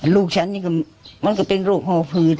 ลูกฉันนี่มันเป็นโรคภาพพืช